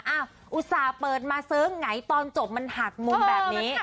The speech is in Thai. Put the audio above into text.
อุตส่าห์เปิดมาเสิร์ฟไงตอนจบมันหักมุมแบบนี้